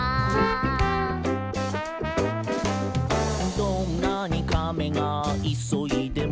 「どんなにカメがいそいでも」